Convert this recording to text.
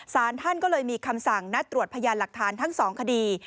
สารท่านก็เลยมีคำสั่งนัดตรวจพยานหลักฐานทั้ง๒คดี